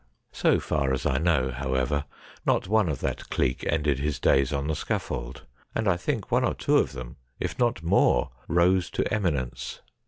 So far as I know, however, not one of that clique ended his days on the scaffold, and I think one or two of them, if not more, rose to eminence.